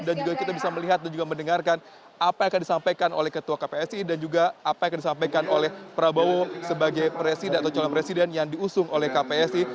dan juga kita bisa melihat dan juga mendengarkan apa yang akan disampaikan oleh ketua kpsi dan juga apa yang akan disampaikan oleh prabowo sebagai presiden atau calon presiden yang diusung oleh kpsi